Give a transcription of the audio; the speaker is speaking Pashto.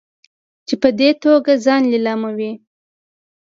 چې په دې توګه ځان لیلاموي.